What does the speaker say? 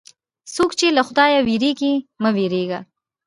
څوک چې له خدایه وېرېږي، مه وېرېږه.